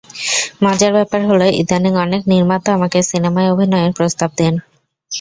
মজার ব্যাপার হলো, ইদানীং অনেক নির্মাতা আমাকে সিনেমায় অভিনয়ের প্রস্তাব দেন।